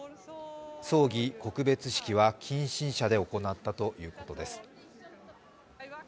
葬儀、告別式は近親者で行ったということです。